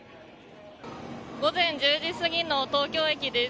午前１０時すぎの東京駅です。